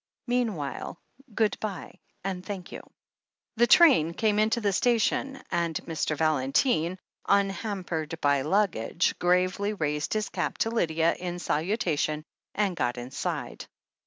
Mean while, good bye and thank you." The train came in to the station, and Mr. Valentine, 40O THE HEEL OF ACHILLES unhampered by luggage, gravely raised his cap to Lydia in salutation and got inside.